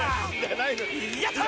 やった！